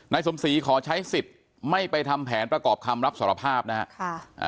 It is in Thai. สมศรีขอใช้สิทธิ์ไม่ไปทำแผนประกอบคำรับสารภาพนะฮะ